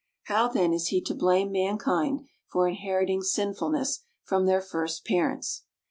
How, then, is he to blame mankind for inheriting "sinfulness" from their first parents?